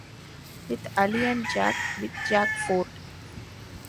With Ali and Jack, with Jack Ford.